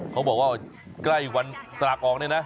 บอกว่าใกล้วันสลากออกเนี่ยนะ